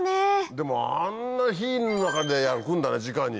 でもあんな火の中で焼くんだねじかに。